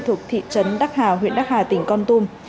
thuộc thị trấn đắc hà huyện đắc hà tỉnh con tum